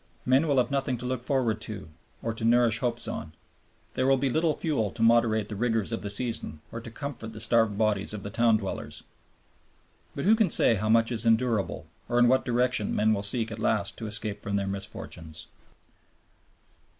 Men will have nothing to look forward to or to nourish hopes on. There will be little fuel to moderate the rigors of the season or to comfort the starved bodies of the town dwellers. But who can say how much is endurable, or in what direction men will seek at last to escape from their misfortunes?